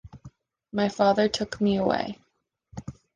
My father took me away.